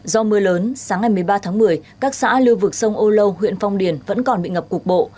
do mưa lớn sáng ngày một mươi ba tháng một mươi các xã lưu vực sông âu lâu huyện phong điền vẫn còn bị ngập cục bộ